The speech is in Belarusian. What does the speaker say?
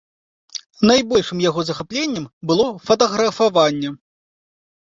Найбольшым яго захапленнем было фатаграфаванне.